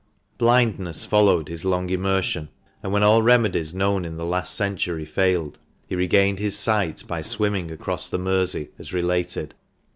Blindness followed his long immersion, and when all remedies known in the last century failed, he regained his sight by swimming across the Mersey, as related.